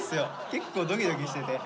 結構ドキドキしてて。